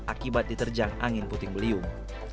akibat diterjang angin puting beliung